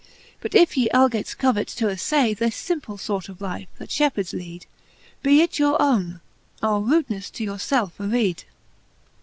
But if ye algates covet to affky This iimple fort of life, that fhepheards lead^ Be it your owne : our rudenefle to your felfe afead.